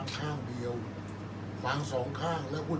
อันไหนที่มันไม่จริงแล้วอาจารย์อยากพูด